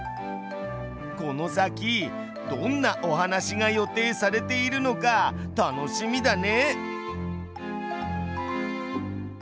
この先どんなお話が予定されているのか楽しみだね。